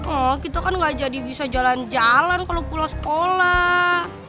oh kita kan gak jadi bisa jalan jalan kalau pulang sekolah